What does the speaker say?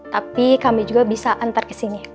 tapi kami juga bisa antar kesini